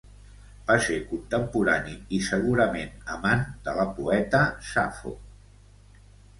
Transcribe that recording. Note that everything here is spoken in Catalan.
Va ser contemporani i segurament amant de la poeta Safo.